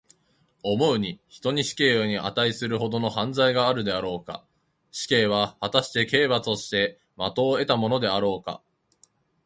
思うに、人に死刑にあたいするほどの犯罪があるであろうか。死刑は、はたして刑罰として当をえたものであろうか。